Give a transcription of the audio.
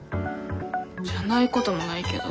じゃないこともないけど。